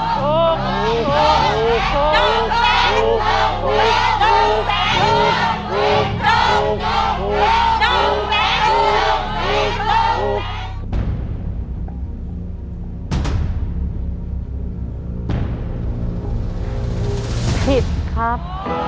ผิดครับ